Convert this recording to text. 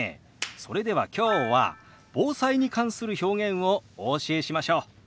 それでは今日は防災に関する表現をお教えしましょう。